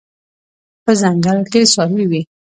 په ځنګل کې څاروي وي